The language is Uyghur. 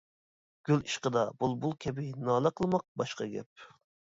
گۈل ئىشقىدا بۇلبۇل كەبى نالە قىلماق باشقا گەپ.